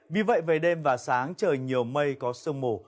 vì vậy về đêm và sáng trời nhiều mây có sương mù